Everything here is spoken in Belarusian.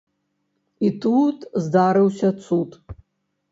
І тут здарыўся цуд.